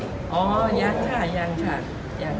อย่างว่านี้ตัวของประธานสะพาใครที่คุยใจปร่องหรือยังค่ะ